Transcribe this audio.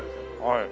はい。